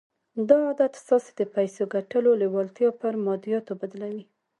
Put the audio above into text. دا عادت ستاسې د پيسو ګټلو لېوالتیا پر ماديياتو بدلوي.